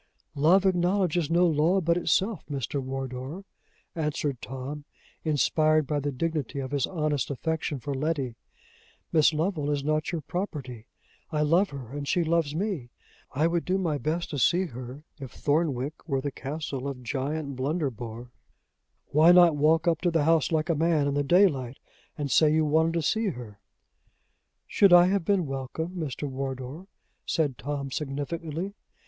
"Love acknowledges no law but itself, Mr. Wardour," answered Tom, inspired by the dignity of his honest affection for Letty. "Miss Lovel is not your property. I love her, and she loves me. I would do my best to see her, if Thornwick were the castle of Giant Blunderbore." "Why not walk up to the house, like a man, in the daylight, and say you wanted to see her?" "Should I have been welcome, Mr. Wardour?" said Tom, significantly.